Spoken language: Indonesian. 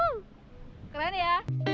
wooo keren ya